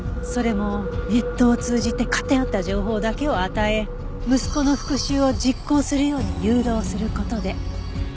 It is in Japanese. それもネットを通じて偏った情報だけを与え息子の復讐を実行するように誘導する事で。